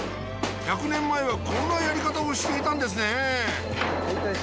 １００年前はこんなやり方をしていたんですね